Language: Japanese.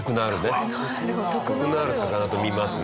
徳のある魚とみますね。